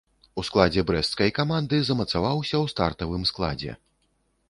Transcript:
У складзе брэсцкай каманды замацаваўся ў стартавым складзе.